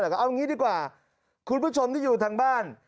ก็เอางี้ดีกว่าคุณผู้ชมที่อยู่ทางบ้าน